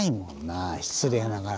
あ失礼ながら。